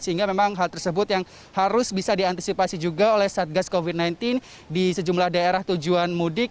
sehingga memang hal tersebut yang harus bisa diantisipasi juga oleh satgas covid sembilan belas di sejumlah daerah tujuan mudik